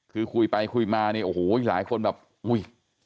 คือคุยไปคุยมาหลายคนแบบอุ้ย